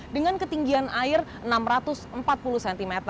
dengan ketinggian air enam ratus empat puluh cm